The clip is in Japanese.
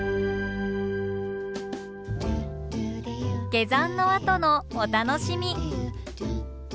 下山のあとのお楽しみ。